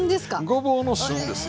ごぼうの旬ですよ。